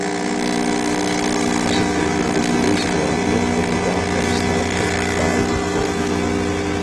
A settembre del medesimo anno venne dato alle stampe "Live Vol.